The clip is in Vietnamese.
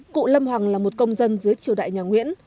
cụ lâm hoàng là một công dân dưới triều đại nhà nguyễn